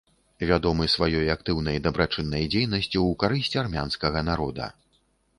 Вядомы сваёй актыўнай дабрачыннай дзейнасцю ў карысць армянскага народа.